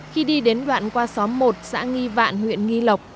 khi đi đến đoạn qua xóm một xã nghi vạn huyện nghi lộc